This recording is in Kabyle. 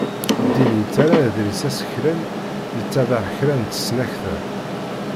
Ddin yettarra aḍris aseklan yettabaɛ kra n tesnakta.